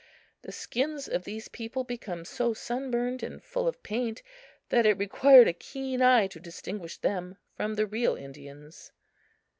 The skins of these people became so sunburned and full of paint that it required a keen eye to distinguish them from the real Indians.